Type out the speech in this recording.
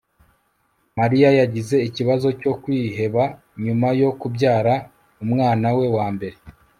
Mariya yagize ikibazo cyo kwiheba nyuma yo kubyara umwana we wa mbere